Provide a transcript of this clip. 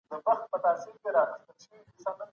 کار انسان پياوړی کوي